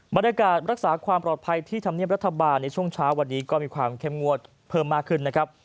รักษาความปลอดภัยที่ธรรมเนียบรัฐบาลในช่วงเช้าวันนี้ก็มีความเข้มงวดเพิ่มมากขึ้นนะครับ